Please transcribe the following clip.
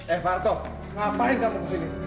eh parto ngapain kamu kesini